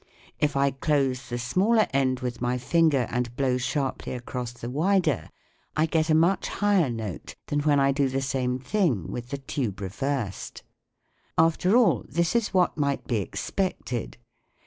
If I close the smaller end with my finger and blow sharply across the wider, I get a much higher note than when I do the same thing with the tube reversed. After all, this is what might be expected.